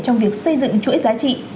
trong việc xây dựng chuỗi giá trị